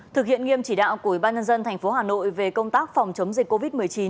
thực hiện nghiêm chỉ đạo của bnd tp hà nội về công tác phòng chống dịch covid một mươi chín